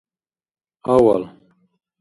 авал